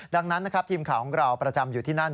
ดังนั้นนะครับทีมข่าวของเราประจำอยู่ที่นั่น